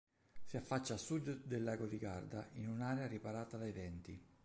Si affaccia a sud del lago di Garda in un'area riparata dai venti.